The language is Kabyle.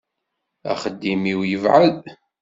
Axeddim-iw yebɛed.